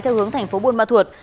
theo hướng thành phố buôn ma thuột